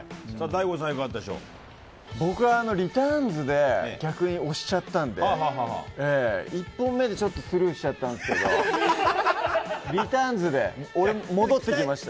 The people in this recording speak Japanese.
僕はリターンズで逆に押しちゃったんで、１本目でスルーしちゃったんですけどリターンズで、戻ってきました。